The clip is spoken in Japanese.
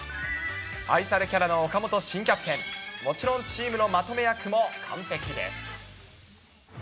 愛されキャラの岡本新キャプテン、もちろんチームのまとめ役も完璧です。